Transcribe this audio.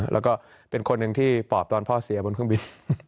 แล้วก็เป็นคนหนึ่งที่ปอบตอนพ่อเสียบนเครื่องบิน